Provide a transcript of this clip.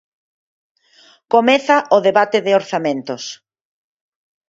Comeza o debate de orzamentos.